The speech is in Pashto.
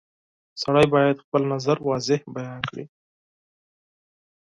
• سړی باید خپل نظر واضح بیان کړي.